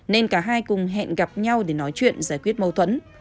nên cả hai cùng hẹn gặp nhau để nói chuyện giải quyết mâu thuẫn